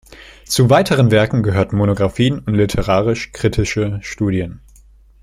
Zu weiteren Werken gehörten Monografien und literarisch-kritische Studien.